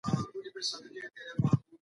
لمر به زخمونه ټکور کړي.